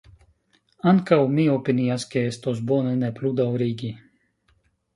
Ankaŭ mi opinias ke estos bone ne plu daŭrigi.